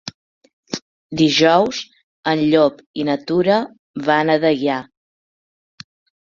Dijous en Llop i na Tura van a Deià.